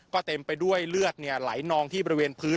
ก็เต็มไปด้วยเลือดไหลนองที่บริเวณพื้น